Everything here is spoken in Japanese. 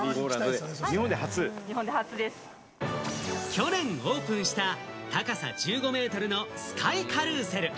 去年オープンした、高さ１５ｍのスカイカルーセル。